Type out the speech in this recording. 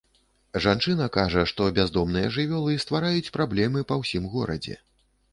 Жанчына кажа, што бяздомныя жывёлы ствараюць праблемы па ўсім горадзе.